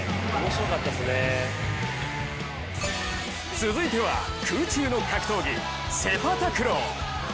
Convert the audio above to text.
続いては空中の格闘技、セパタクロー。